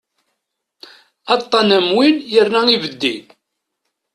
Aṭṭan am win yerna ibeddi.